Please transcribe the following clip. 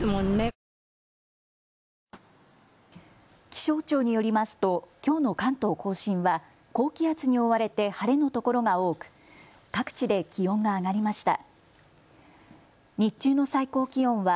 気象庁によりますときょうの関東甲信は高気圧に覆われて晴れのところが多く各地で気温が上がりました。